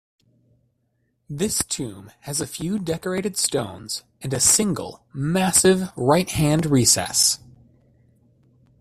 This tomb has a few decorated stones, and a single, massive right-hand recess.